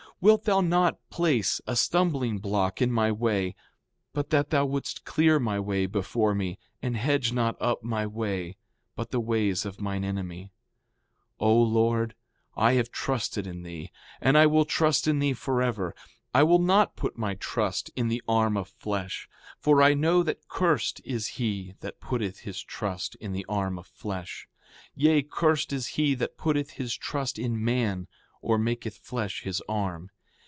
Wilt thou not place a stumbling block in my way—but that thou wouldst clear my way before me, and hedge not up my way, but the ways of mine enemy. 4:34 O Lord, I have trusted in thee, and I will trust in thee forever. I will not put my trust in the arm of flesh; for I know that cursed is he that putteth his trust in the arm of flesh. Yea, cursed is he that putteth his trust in man or maketh flesh his arm.